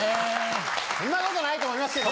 そんなことないと思いますけどね。